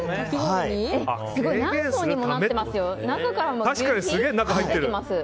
すごい！何層にもなってますよ。